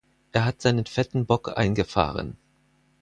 Er hat seinen fetten Bock eingefahren.